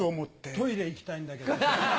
トイレ行きたいんだけど。